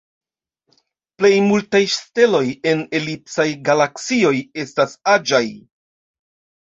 Plej multaj steloj en elipsaj galaksioj estas aĝaj.